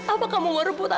aku akan mencintai dia